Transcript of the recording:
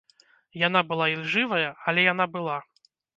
Яна была ілжывая, але яна была!